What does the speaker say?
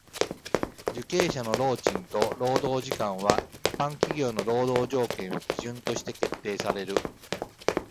受刑者の労賃と労働時間は一般企業の労働条件を基準として決定される。